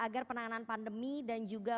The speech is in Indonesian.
agar penanganan pandemi dan juga